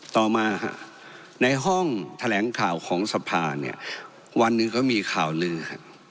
ต่อมาในห้องแถลงข่าวของสภาวันนี้ก็มีข่าวนึก